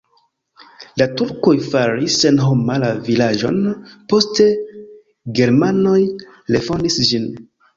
La turkoj faris senhoma la vilaĝon, poste germanoj refondis ĝin.